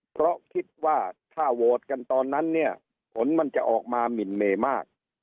เพราะคิดว่าถ้าโหวตกันตอนนั้นเนี่ยผลมันจะออกมาหมินเมมาก